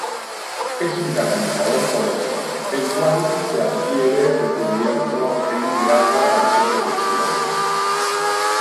Es un catalizador poroso, el cual se adquiere recubierto en grasa para su protección.